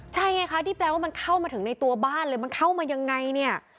ใช่ไงคะที่แปลว่ามันเข้ามาถึงในตัวบ้านเลยมันเข้ามายังไงเนี่ย